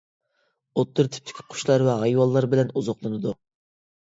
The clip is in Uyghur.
ئوتتۇرا تىپتىكى قۇشلار ۋە ھايۋانلار بىلەن ئوزۇقلىنىدۇ.